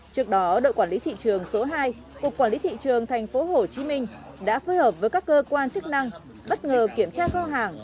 trước đó đội quản lý thị trường số hai cục quản lý thị trường tp hcm đã phối hợp với các cơ quan chức năng bất ngờ kiểm tra kho hàng